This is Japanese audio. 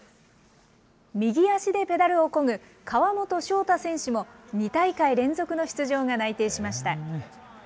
右足でペダルをこぐ川本翔大選手も、２大会連続の出場が内定しました。